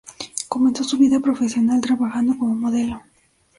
Comenzó su vida profesional trabajando como modelo.